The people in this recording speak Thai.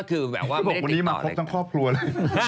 คือแบบว่าวันนี้มาครบทั้งครอบครัวเลย